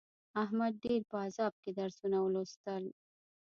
احمد ډېر په عذاب کې درسونه ولوستل.